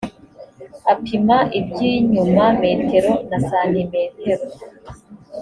apima iby inyuma metero na santimetero